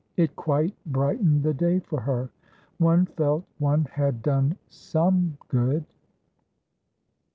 It quite brightened the day for her. One felt one had done some good."